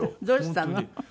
どうしたの？